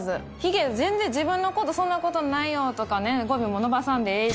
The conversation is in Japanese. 卑下全然自分の事「そんな事ないよ」とかね語尾も伸ばさんでええし。